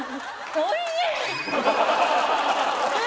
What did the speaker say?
おいしい！